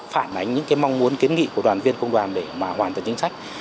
phản ánh những mong muốn kiến nghị của đoàn viên công đoàn để hoàn thành chính sách